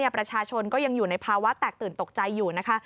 ประชาชนก็ยังอยู่ในภาวะแตกตื่นตกใจอยู่นะคะ